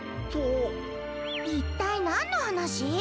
いったいなんのはなし？